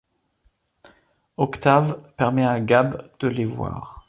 Octave permet à Gabe de les voir.